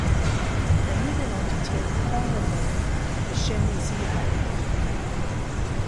La nouvelle entité prend le nom de Chermizy-Ailles.